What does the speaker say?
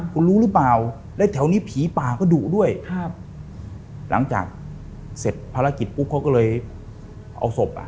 คุณรู้หรือเปล่าแล้วแถวนี้ผีป่าก็ดุด้วยครับหลังจากเสร็จภารกิจปุ๊บเขาก็เลยเอาศพอ่ะ